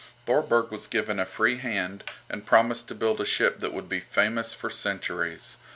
Thorberg was given a free hand, and promised to build a ship that would be famous for centuries.